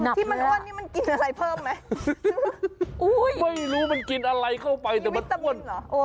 ไม่รู้มันกินอะไรเข้าไปแต่มันอ้วน